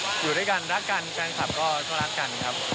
เราเองก็อยู่ด้วยกันรักกันการขับก็รักกันครับ